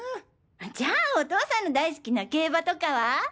じゃあお父さんの大好きな競馬とかは？